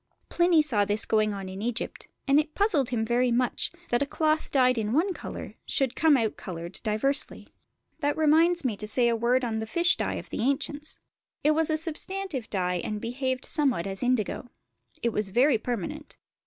Pliny saw this going on in Egypt, and it puzzled him very much, that a cloth dyed in one colour should come out coloured diversely. That reminds me to say a word on the fish dye of the ancients: it was a substantive dye and behaved somewhat as indigo. It was very permanent.